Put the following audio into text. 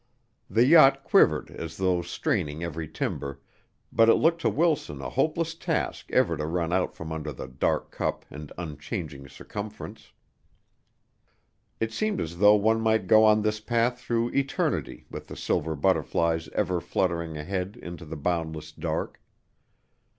The yacht quivered as though straining every timber, but it looked to Wilson a hopeless task ever to run out from under the dark cup and unchanging circumference. It seemed as though one might go on this path through eternity with the silver butterflies ever fluttering ahead into the boundless dark.